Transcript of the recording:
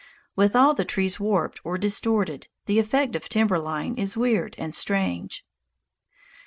With all the trees warped or distorted, the effect of timber line is weird and strange.